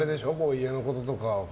家のこととかは。